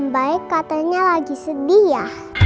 baik katanya lagi sedih ya